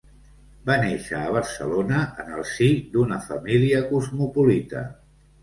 Va néixer a Barcelona en el si d'una família cosmopolita.